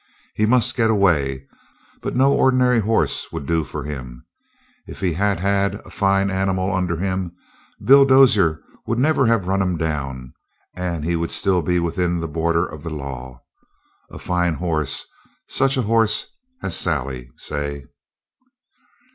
He must get away, but no ordinary horse would do for him. If he had had a fine animal under him Bill Dozier would never have run him down, and he would still be within the border of the law. A fine horse such a horse as Sally, say!